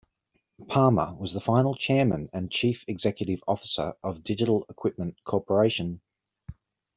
Palmer was the final Chairman and Chief Executive Officer of Digital Equipment Corporation.